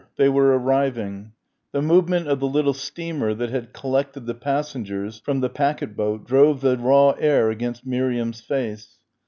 They were arriving. The movement of the little steamer that had collected the passengers from the packet boat drove the raw air against Miriam's face.